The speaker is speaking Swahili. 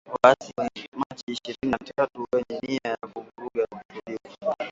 waasi wa Machi ishirini na tatu wenye nia ya kuvuruga utulivu